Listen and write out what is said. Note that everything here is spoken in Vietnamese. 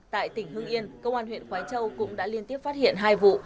tại tỉnh hương yên công an huyện quái châu cũng đã liên tiếp phát hiện hai vụ